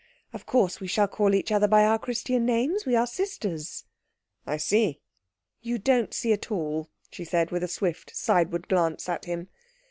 Of course we shall call each other by our Christian names. We are sisters." "I see." "You don't see at all," she said, with a swift sideward glance at him.